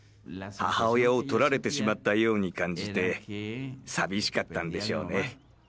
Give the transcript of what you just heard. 母親をとられてしまったように感じて寂しかったんでしょうね。